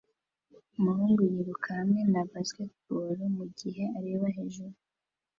Umuhungu yiruka hamwe na basketball mugihe areba hejuru